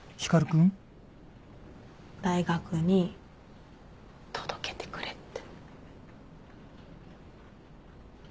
大学に届けてくれって。